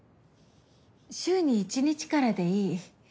週に１日からでいい。